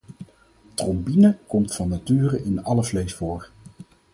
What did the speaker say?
Trombine komt van nature in alle vlees voor.